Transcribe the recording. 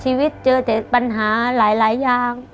เจอแต่ปัญหาหลายอย่าง